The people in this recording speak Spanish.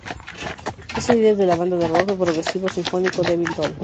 Es el líder de la banda de rock progresivo, sinfónico Devil Doll.